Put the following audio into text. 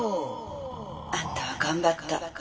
「あんたは頑張った。